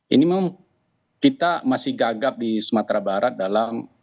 ini memang kita masih gagap di sumatera barat dalam